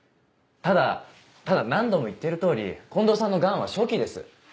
ただただ何度も言ってる通り近藤さんの癌は初期です。